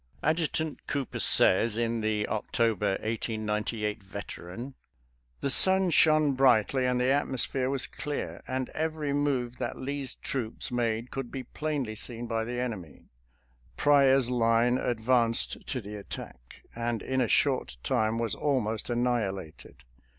Adjutant Cooper says, in the October (1898) Veteran: " The sun shone brightly and the atmosphere was clear, and every move that Lee's troops made could be plainly seen by the enemy. Pryor's line advanced to the attack, and in a short time was almost annihilated.